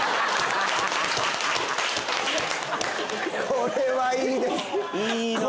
これはいいです。